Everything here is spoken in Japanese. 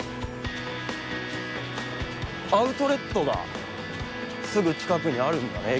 アウトレットがすぐ近くにあるんだね